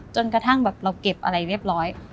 จนกระทั่งแบบเราเก็บอะไรเรียบร้อย